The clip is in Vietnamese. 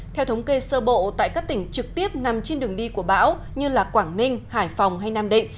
theo thống kê sơ bộ tại các tỉnh trực tiếp nằm trên đường đi của bão như quảng ninh hải phòng hay nam định